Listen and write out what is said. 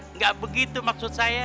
enggak begitu maksud saya